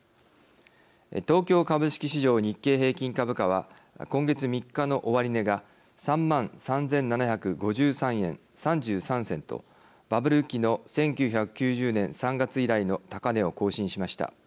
東京株式市場日経平均株価は今月３日の終値が３万３７５３円３３銭とバブル期の１９９０年３月以来の高値を更新しました。